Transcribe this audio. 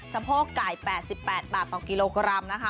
สะโพกไก่๘๘บาทต่อกิโลกรัมนะคะ